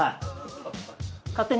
勝手に？